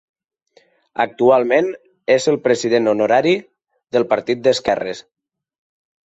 Actualment és el president honorari del partit d'esquerres.